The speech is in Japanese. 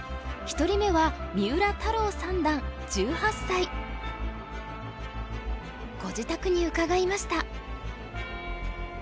１人目はご自宅に伺いました。